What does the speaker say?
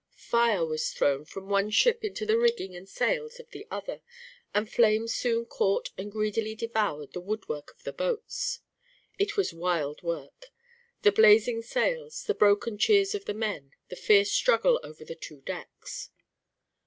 Fire was thrown from one ship into the rigging and sails of the other, and flames soon caught and greedily devoured the woodwork of the boats. It was wild work; the blazing sails, the broken cheers of the men, the fierce struggle over the two decks.